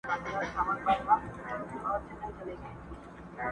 پاڅېدلی خروښېدلی په زمان کي!!